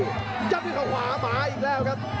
ยอดภูรวงเข้าขวามาอีกแล้วครับ